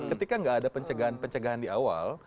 ketika nggak ada pencegahan pencegahan di awal